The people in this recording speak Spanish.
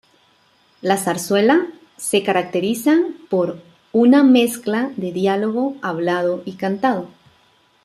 La Zarzuela se caracteriza por una mezcla de diálogo hablado y canto.